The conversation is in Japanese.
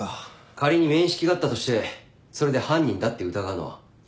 仮に面識があったとしてそれで犯人だって疑うのは一足飛び過ぎだろ。